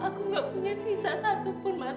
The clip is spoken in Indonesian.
aku nggak punya sisa satupun mas